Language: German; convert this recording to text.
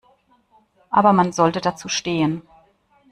Aber man sollte dazu stehen.